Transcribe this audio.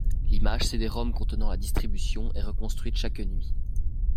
L'image cédérom contenant la distribution est reconstruite chaque nuit.